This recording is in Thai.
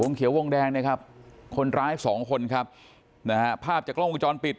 เขียววงแดงนะครับคนร้ายสองคนครับนะฮะภาพจากกล้องวงจรปิด